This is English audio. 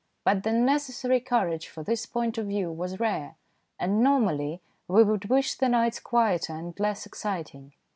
But the necessary courage for this point of view was rare, and normally we would wish the nights quieter and less exciting.